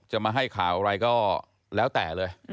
จะมาให้ข่าวอะไรก็แล้วแต่เลย